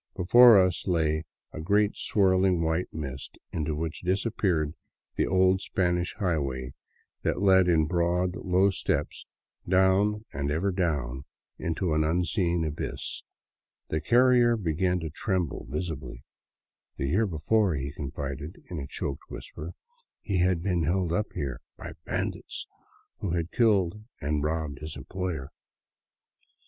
Before us lay only a great swirling white mist into which disappeared the old Spanish highway that led in broad, low steps down and ever down into an unseen abyss. The carrier began to tremble visibly. The year before, he confided in a choked whisper, he had been held up here by bandits, who had killed and robbed his employer.